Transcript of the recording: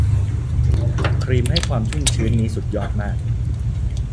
ครีมให้ความชุ่มชื้นนี้สุดยอดมาก